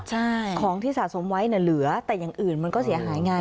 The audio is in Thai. ใช่ของที่สะสมไว้เนี่ยเหลือแต่อย่างอื่นมันก็เสียหายไง